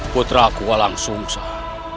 putra ku walang sungsah